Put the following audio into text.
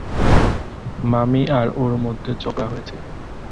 মামি আর ওর মধ্যে ঝগড়া হয়েছে।